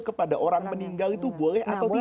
kepada orang meninggal itu boleh atau tidak